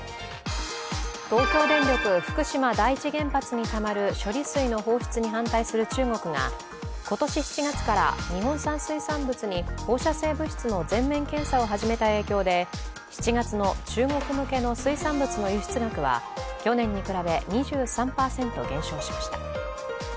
東京電力・福島第一原発にたまる処理水の放出に反対する中国が今年７月から日本産水産物に放射性物質の全面検査を始めた影響で７月の中国向けの水産物の輸出額は去年に比べ２３％減少しました。